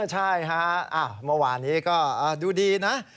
ใช่ฮะเมื่อวานนี้ก็ดูดีนะ